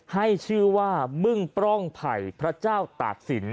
ให้ชื่อว่าบึ้งปล้องไผ่พระเจ้าตากศิลป